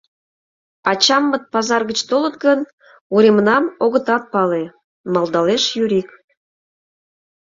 — Ачаммыт пазар гыч толыт гын, уремнам огытат пале, — малдалеш Юрик.